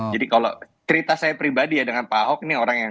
jadi kalau cerita saya pribadi ya dengan pak ahok ini orang yang